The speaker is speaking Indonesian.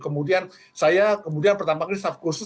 kemudian saya kemudian pertama kali staff khusus